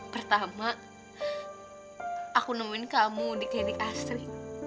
pertama aku nemuin kamu di klinik asri